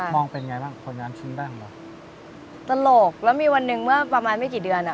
งเป็นไงบ้างคนงานชิ้นแรกของเราตลกแล้วมีวันหนึ่งเมื่อประมาณไม่กี่เดือนอ่ะ